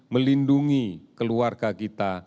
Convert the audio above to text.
melindungi keluarga kita